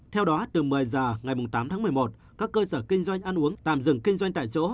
theo đó từ một mươi h ngày tám tháng một mươi một các cơ sở kinh doanh ăn uống tạm dừng kinh doanh tại chỗ